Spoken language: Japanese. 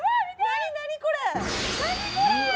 何これ！？